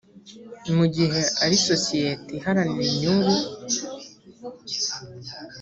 mu gihe ari isosiyete iharanira inyungu